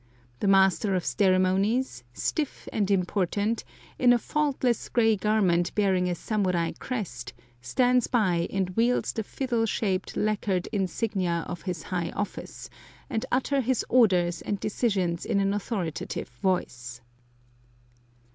The master of ceremonies, stiff and important, in a faultless gray garment bearing a samurai crest, stands by and wields the fiddle shaped lacquered insignia of his high office, and utter his orders and decisions in an authoritative voice.